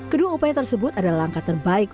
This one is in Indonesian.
kedua upaya tersebut adalah langkah terbaik